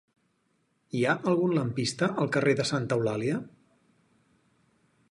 Hi ha algun lampista al carrer de Santa Eulàlia?